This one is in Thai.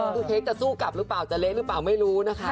คือเค้กจะสู้กลับหรือเปล่าจะเละหรือเปล่าไม่รู้นะคะ